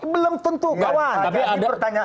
belum tentu kawan